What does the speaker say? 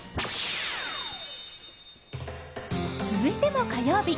続いても火曜日。